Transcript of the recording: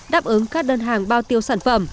đáp ứng các đơn hàng bao tiêu sản